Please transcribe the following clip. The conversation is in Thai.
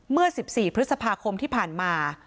เมื่อ๑๔พฤษภาคมที่ผ่านมา